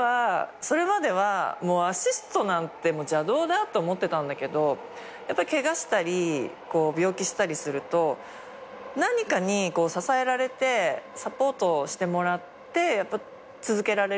それまではアシストなんて邪道だと思ってたんだけどやっぱケガしたり病気したりすると何かに支えられてサポートしてもらって続けられる。